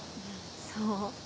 そう？